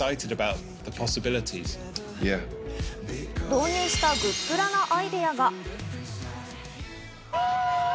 導入したグップラなアイデアが。